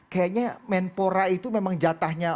kayaknya menpora itu memang jatahnya